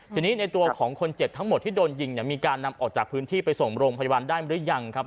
ทีนี้ในตัวของคนเจ็บทั้งหมดที่โดนยิงเนี่ยมีการนำออกจากพื้นที่ไปส่งโรงพยาบาลได้หรือยังครับ